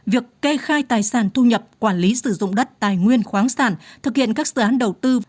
việc kê khai tài sản thu nhập quản lý sử dụng đất tài nguyên khoáng sản thực hiện các dự án đầu tư